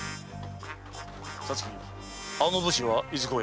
皐月あの武士はいずこへ？